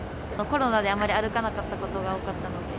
コロナであんまり歩かなかったことが多かったので。